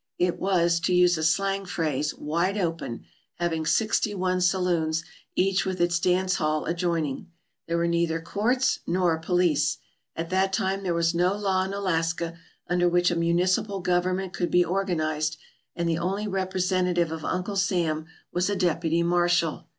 It was, to use a slang phrase, "wide open," having sixty one saloons, each with its dance hall adjoin ing. There were neither courts nor police. At that time there was no law in Alaska under which a municipal gov ernment could be organized and the only representative of Uncle Sam was a deputy marshal.